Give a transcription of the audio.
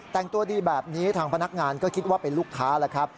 แต่งตัวดีแบบนี้ทางพนักงานก็คิดว่าเป็นลูกค้าแล้วครับ